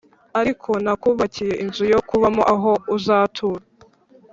Ariko nakubakiye inzu yo kubamo aho uzatura